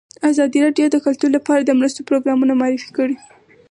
ازادي راډیو د کلتور لپاره د مرستو پروګرامونه معرفي کړي.